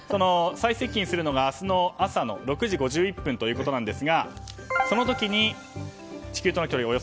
最接近するのが明日の朝の６時５１分ということですがその時に、地球との距離